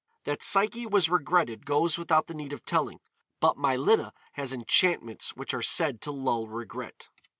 That Psyche was regretted goes without the need of telling, but Mylitta has enchantments which are said to lull regret.